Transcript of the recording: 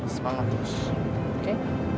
semangat terus oke